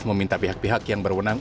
meminta pihak pihak yang berwenang